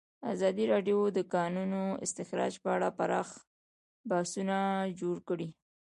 ازادي راډیو د د کانونو استخراج په اړه پراخ بحثونه جوړ کړي.